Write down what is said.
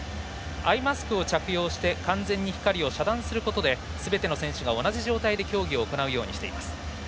アイマスクを着用して完全に光を遮断することですべての選手が同じ状態で競技を行うようにしています。